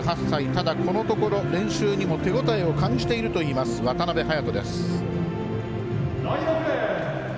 ただ、このところ練習にも手応えを感じているという渡辺隼斗です。